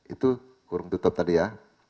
itu kurung tutup tadi ya